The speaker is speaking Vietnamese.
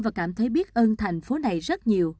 và cảm thấy biết ơn thành phố này rất nhiều